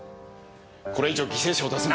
これ以上犠牲者を出すな！